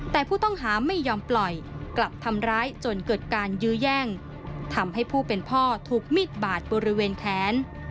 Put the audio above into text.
แต่ผู้ต้องหาไม่ยอมปล่อยกลับทำร้ายจนเกิดการยื้อแย่งทำให้ผู้เป็นพ่อถูกมิดบาดบริเวณแขน